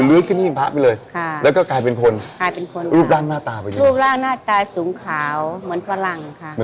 ุบาลหน้าตาสูงขาวเหมือนฝรั่งค่ะ